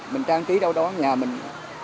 mình trang trí đâu đó nhà mình